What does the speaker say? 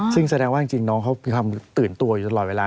ซึ่งแสดงว่าจริงน้องเขามีความตื่นตัวอยู่ตลอดเวลา